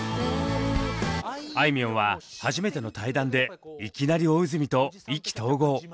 あいみょんは初めての対談でいきなり大泉と意気投合！